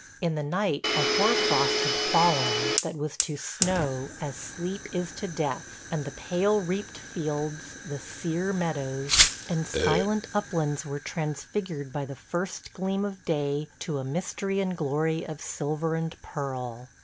... In the night a hoar frost had fallen that was to snow as sleep is to death; and the pale reaped fields, the sere meadows, and silent uplands were transfigured by the first gleam of day to a mystery and glory of silver and pearl.